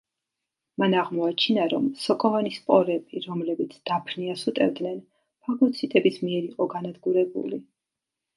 მან აღმოაჩინა, რომ სოკოვანი სპორები, რომლებიც დაფნიას უტევდნენ, ფაგოციტების მიერ იყო განადგურებული.